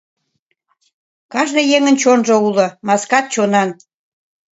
— Кажне еҥын чонжо уло, маскат чонан.